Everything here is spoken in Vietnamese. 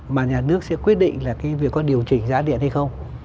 mà nhà nước sẽ quyết định là cái việc có điều chỉnh giá điện hay không